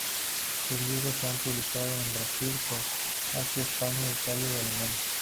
Sus libros se han publicado en el Brasil, Croacia, España, Italia y Alemania.